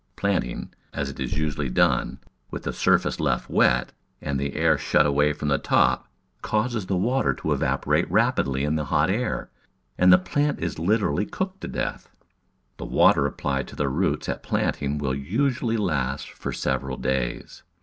Planting, as it is usually done — with the surface left wet, and the air shut away from the top — causes the water to evaporate rapidly in the hot air, and the plant is literally cooked to death. The water applied to the roots at planting will usually last for several days.